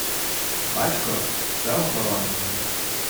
Батько – це охоронець.